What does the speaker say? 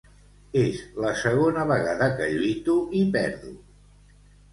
És la segona vegada que lluito i perdo.